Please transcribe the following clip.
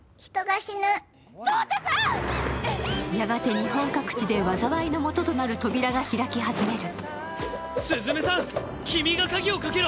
やがて日本各地で災いのもととなる扉が開き始める。